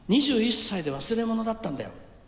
２１歳でわすれものだったんだよ。